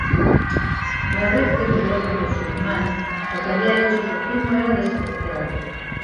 Para Berke, devoto musulmán, lo que había hecho su primo era despreciable.